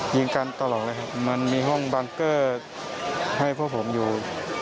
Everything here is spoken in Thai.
ยิงกันตลอดเลยครับมันมีห้องบังเกอร์ให้พวกผมอยู่